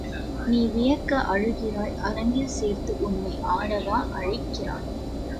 நீ வியர்க்க அழுகிறாய் அரங்கில் சேர்த்து உன்னை ஆடவா அழைக்கிறான்?